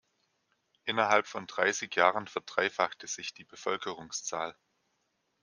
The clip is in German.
Innerhalb von dreissig Jahren verdreifachte sich die Bevölkerungszahl.